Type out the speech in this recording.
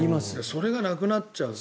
それがなくなっちゃう。